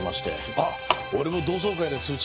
あっ俺も同窓会の通知